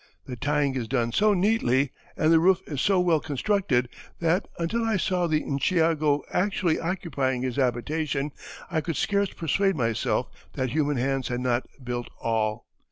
The tying is done so neatly, and the roof is so well constructed that, until I saw the nshiego actually occupying his habitation I could scarce persuade myself that human hands had not built all.